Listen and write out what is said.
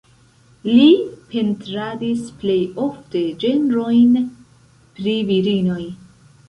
Li pentradis plej ofte ĝenrojn pri virinoj.